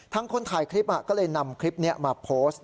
คนถ่ายคลิปก็เลยนำคลิปนี้มาโพสต์